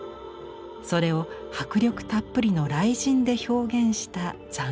それを迫力たっぷりの雷神で表現した斬新な試み。